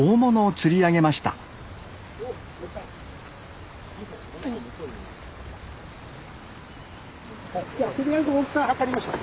とりあえず大きさ測りましょう。